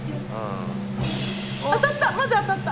当たった！